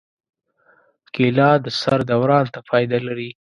کېله د سر دوران ته فایده لري.